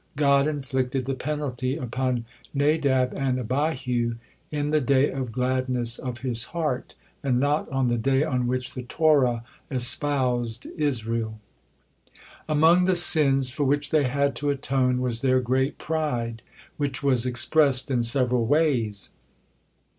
God inflicted the penalty upon Nadab and Abihu "in the day of gladness of His heart," and not on the day on which the Torah espoused Israel. Among the sins for which they had to atone was their great pride, which was expressed in several ways.